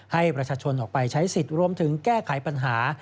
ให้ประชาชนออกไปใช้สิทธิ์รวมถึงแก้ไขปัญหา